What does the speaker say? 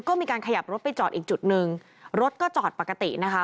ก็มีการขยับรถไปจอดอีกจุดหนึ่งรถก็จอดปกตินะคะ